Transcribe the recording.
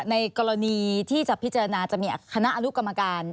ในกรณีที่จะพิจารณาจะมีคณะอนุกรรมการ